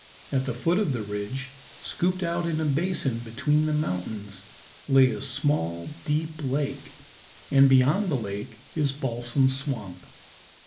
At the foot of the ridge, scooped out in a basin between the mountains, lay a small, deep lake, and beyond the lake is Balsam Swamp.